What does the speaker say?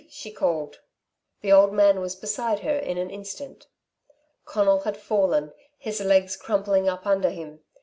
she called. The old man was beside her in an instant. Conal had fallen, his legs crumpling up under him.